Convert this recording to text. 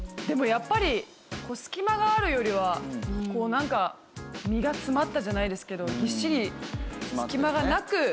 でもやっぱり隙間があるよりはこうなんか身が詰まったじゃないですけどぎっしり隙間がなく。